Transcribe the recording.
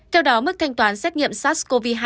theo đó mức thanh toán xét nghiệm sars cov hai